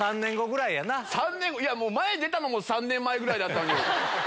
いや、前出たのも３年前ぐらいだったのに。